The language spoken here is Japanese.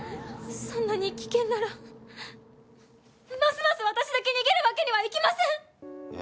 そんなに危険ならますます私だけ逃げるわけにはいきません！